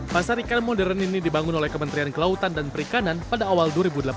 pasar ikan modern ini dibangun oleh kementerian kelautan dan perikanan pada awal dua ribu delapan belas